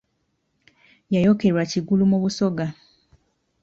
Yayokerwa Kigulu mu Busoga.